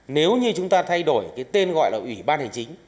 nếu mà chúng ta thay đổi cái tên gọi là quỹ ban hành chính